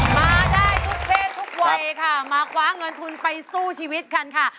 มาได้ทุกเพศทุกวัยค่ะมาคว้าเงินทุนไปสู้ชีวิตกันค่ะ